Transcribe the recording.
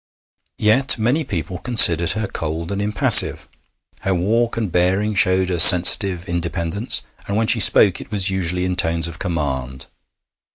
Yet many people considered her cold and impassive. Her walk and bearing showed a sensitive independence, and when she spoke it was usually in tones of command.